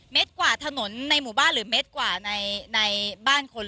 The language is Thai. กว่าถนนในหมู่บ้านหรือเมตรกว่าในบ้านคน